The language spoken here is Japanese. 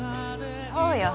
そうよ。